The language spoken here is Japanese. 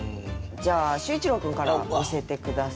じゃあ秀一郎君から見せて下さい。